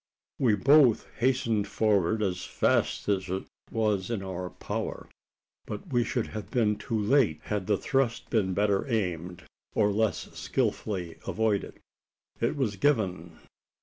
We both hastened forward as fast as it was in our power; but we should have been too late, had the thrust been better aimed, or less skilfully avoided. It was given.